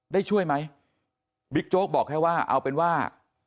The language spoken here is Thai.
ได้ช่วยไหมบิ๊กโจ๊กบอกแค่ว่าเอาเป็นว่า